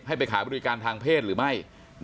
ไปขายบริการทางเพศหรือไม่